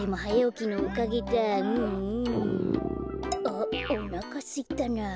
あっおなかすいたなあ。